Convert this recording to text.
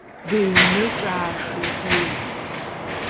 Дыҩныҵәаашеит уи.